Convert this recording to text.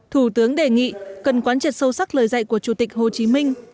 thủ tướng đề nghị cần quán triệt sâu sắc lời dạy của chủ tịch hồ chí minh